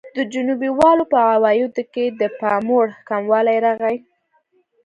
د جنوبي والو په عوایدو کې د پاموړ کموالی راغی.